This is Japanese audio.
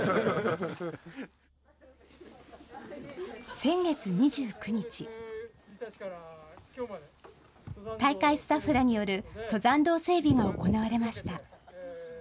先月２９日大会スタッフらによる登山道整備が行われました。